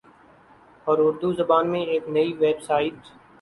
اور اردو زبان میں ایک نئی ویب سائٹ